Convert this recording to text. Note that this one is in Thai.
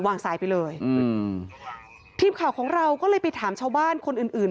สายไปเลยอืมทีมข่าวของเราก็เลยไปถามชาวบ้านคนอื่นอื่น